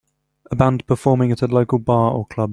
A band performing at a local bar or club.